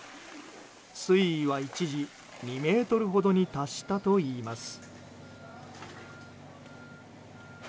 水位は一時２ｍほどに達したといいます。